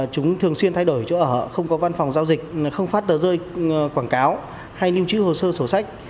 chúng thường xuyên thay đổi chỗ ở không có văn phòng giao dịch không phát tờ rơi quảng cáo hay lưu trữ hồ sơ sổ sách